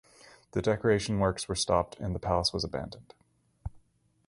The decoration works were stopped, and the palace was abandoned.